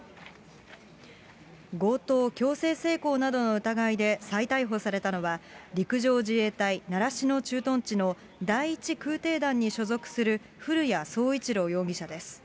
強盗・強制性交などの疑いで再逮捕されたのは、陸上自衛隊習志野駐屯地の第１空てい団に所属する古屋総一朗容疑者です。